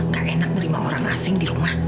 gak enak terima orang asing di rumah